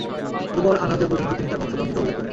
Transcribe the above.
অতঃপর আনাযা পর্যন্ত তিনি তার বংশ পঞ্জিকাও উল্লেখ করেন।